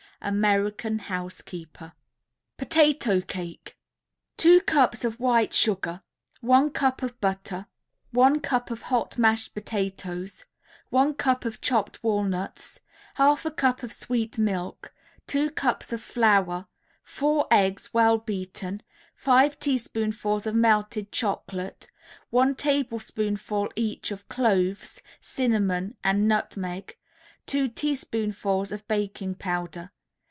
American Housekeeper. POTATO CAKE Two cups of white sugar, one cup of butter, one cup of hot mashed potatoes, one cup of chopped walnuts, half a cup of sweet milk, two cups of flour, four eggs well beaten, five teaspoonfuls of melted chocolate, one tablespoonful each of cloves, cinnamon and nutmeg, two teaspoonfuls of baking powder.